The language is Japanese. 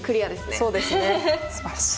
そうですね素晴らしい。